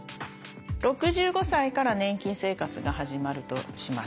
６５歳から年金生活が始まるとします。